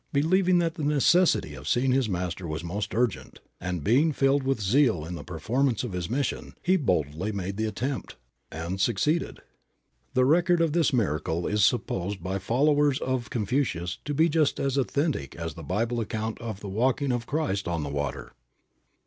Believing that the necessity of seeing his master was most urgent, and being filled with zeal in the performance of his mission, he boldly made the attempt and succeeded. The record of this miracle is supposed by followers of Confucius to be just as authentic as the Bible account of the walking of Christ on the water.